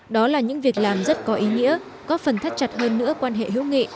đó là những việc làm rất có ý nghĩa góp phần thắt chặt hơn nữa quan hệ hữu nghị